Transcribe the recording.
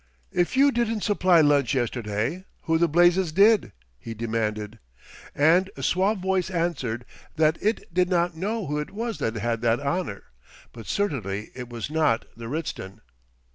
"If you didn't supply lunch yesterday, who the blazes did?" he demanded, and a suave voice answered that it did not know who it was that had that honour, but certainly it was not the Ritzton.